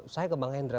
saya ke bang hendra